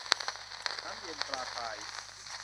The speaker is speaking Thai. น้ำเย็นปลาตาย